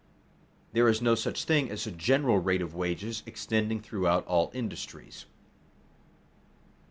There is no such thing as a general rate of wages extending throughout all industries.